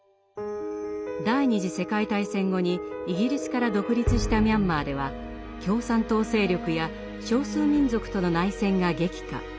第二次世界大戦後にイギリスから独立したミャンマーでは共産党勢力や少数民族との内戦が激化。